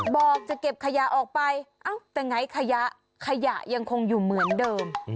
บอกจะเก็บขยะออกไปเอ้าแต่ไงขยะขยะยังคงอยู่เหมือนเดิม